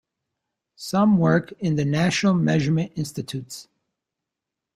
Some work in the National Measurement Institutes.